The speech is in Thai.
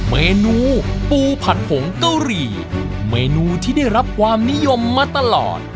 เมนูปูผัดผงเกาหรี่เมนูที่ได้รับความนิยมมาตลอด